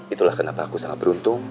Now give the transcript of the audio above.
itulah kenapa aku sangat beruntung